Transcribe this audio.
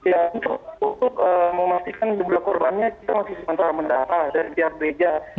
ya untuk memastikan jumlah korbannya kita masih sementara mendarah dari tiap gereja